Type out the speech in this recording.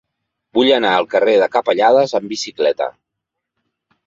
Vull anar al carrer de Capellades amb bicicleta.